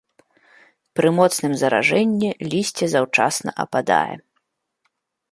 Пры моцным заражэнні лісце заўчасна ападае.